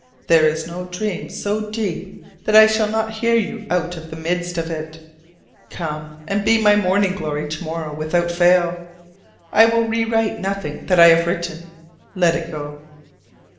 There is no dream so deep that I shall not hear you out of the midst of it. Come and be my morning glory to morrow without fail. I will rewrite nothing that I have written let it go!